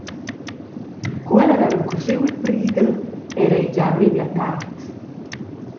Cu ella veva encurschiu il prighel, era ei gia memia tard.